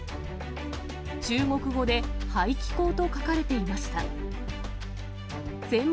中国語で排気孔と書かれていました。